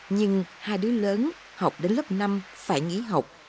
nhưng hai đứa lớn học đến lớp năm phải nghỉ học